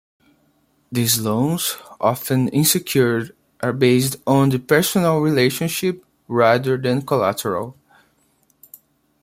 These loans, often unsecured, are based on the personal relationship rather than collateral.